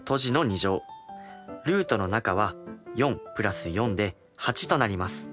ルートの中は４＋４で８となります。